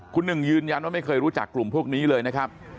คุณหนึ่งยืนยันว่าไม่เคยรู้จักกลุ่มพวกนี้เลยนะครับ